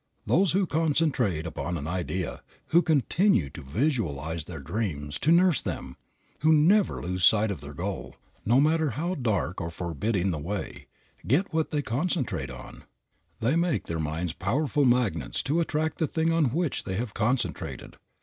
Those who concentrate upon an idea, who continue to visualize their dreams, to nurse them, who never lose sight of their goal, no matter how dark or forbidding the way, get what they concentrate on. They make their minds powerful magnets to attract the thing on which they have concentrated.